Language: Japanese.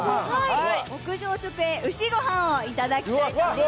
牧場直営うしごはんをいただきたいと思います。